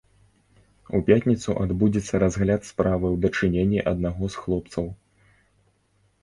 У пятніцу адбудзецца разгляд справы ў дачыненні аднаго з хлопцаў.